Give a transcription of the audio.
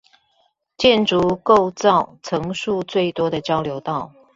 建築構造層數最多的交流道